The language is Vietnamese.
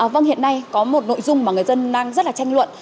vâng hiện nay có một nội dung mà người dân đang rất là tranh luận